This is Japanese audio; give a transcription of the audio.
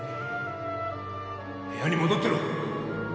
部屋に戻ってろ！